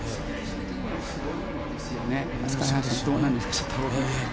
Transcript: すごいですよね。